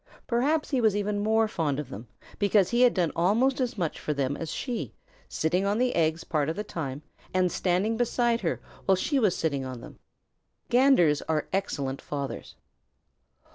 Perhaps he was even more fond of them because he had done almost as much for them as she, sitting on the eggs part of the time and standing beside her while she was sitting on them. Ganders are excellent fathers.